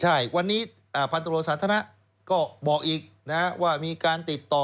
ใช่วันนี้พันตรวจสันทนะก็บอกอีกนะว่ามีการติดต่อ